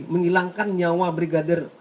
menghilangkan nyawa brigadir